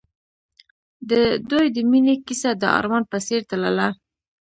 د دوی د مینې کیسه د آرمان په څېر تلله.